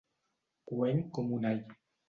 Coent com un all.